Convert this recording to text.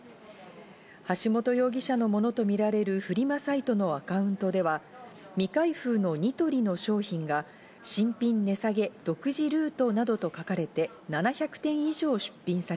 橋本容疑者のものとみられるフリマサイトのアカウントでは、未開封のニトリの商品が「新品値下げ、独自ルート」などと書かれて７００点以上出品され